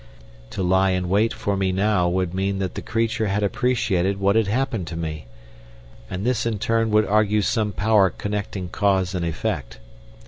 To lie in wait for me now would mean that the creature had appreciated what had happened to me, and this in turn would argue some power connecting cause and effect.